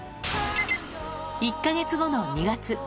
１か月後の２月。